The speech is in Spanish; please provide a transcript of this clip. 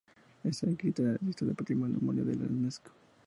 Está inscrita en la lista del patrimonio mundial de la Unesco.